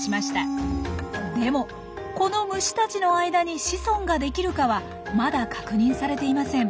でもこの虫たちの間に子孫ができるかはまだ確認されていません。